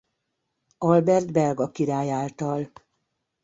Albert belga király által.